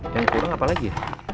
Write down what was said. yang kebanyakan apa lagi